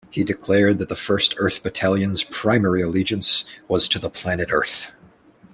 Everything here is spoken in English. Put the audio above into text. He declared that the First Earth Battalion's primary allegiance was to the planet earth.